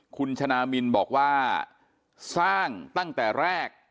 คุณชนะมินบอกว่าสร้างตั้งแต่แรก